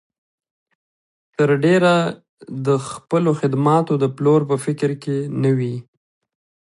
تر ډېره د خپلو خدماتو د پلور په فکر کې نه وي.